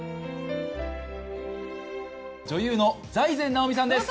女優の財前直見さんです。